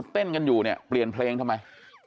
เต้นกันอยู่เนี่ยเปลี่ยนเพลงทำไม